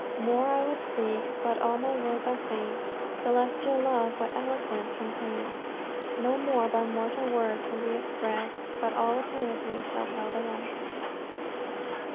"More I would speak: but all my words are faint; Celestial Love, what eloquence can paint? No more, by mortal words, can be expressed, But all Eternity shall tell the rest."